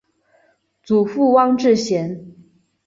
祖父汪志贤。